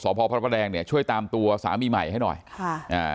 พอพระประแดงเนี่ยช่วยตามตัวสามีใหม่ให้หน่อยค่ะอ่า